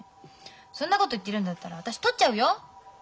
そんなこと言ってるんだったら私とっちゃうよ。